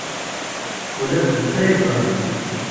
Ula d netta yeẓra-tt.